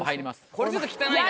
これちょっと汚いな。